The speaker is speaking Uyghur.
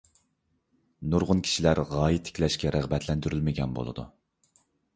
نۇرغۇن كىشىلەر غايە تىكلەشكە رىغبەتلەندۈرۈلمىگەن بولىدۇ.